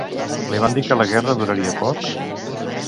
Li van dir que la guerra duraria poc?